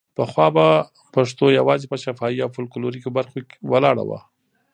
پخوا به پښتو یوازې په شفاهي او فولکلوریکو برخو ولاړه وه.